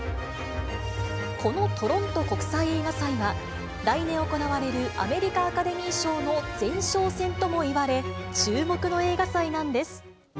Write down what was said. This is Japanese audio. このトロント国際映画祭は、来年行われるアメリカアカデミー賞の前哨戦ともいわれ、注目の映画祭なんです。